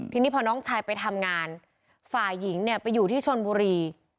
ทีนี้พอน้องชายไปทำงานฝ่ายหญิงเนี่ยไปอยู่ที่ชนบุรี